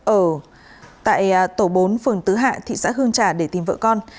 ở tại tổ bốn phường tứ hạ thị xã hương trà để tìm vợ con